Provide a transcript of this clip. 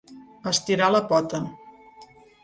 Estirar la pota.